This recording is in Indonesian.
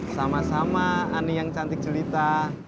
sama sama ani yang cantik cerita